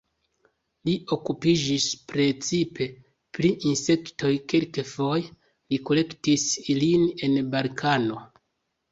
Li okupiĝis precipe pri insektoj, kelkfoje li kolektis ilin en Balkano.